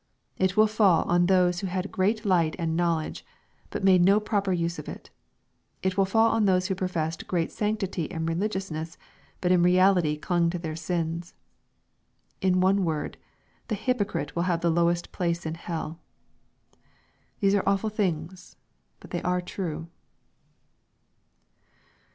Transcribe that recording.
It will fall on those who had great light and knowledge, but made no proper use of it. It will fall on those who professed great sanctity and religiousness, but in reality clung to their sins. In one word, the hypocrit.e will have the lowest place in hell. These are awful things. But they are true.